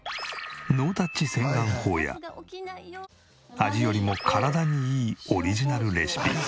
ノータッチ洗顔法や味よりも体にいいオリジナルレシピ。